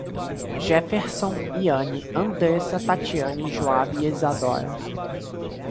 Geferson, Iane, Andressa, Tatiane, Joabe e Isadora